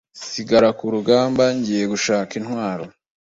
Sigara ku rugamba ngiye gushaka intwaro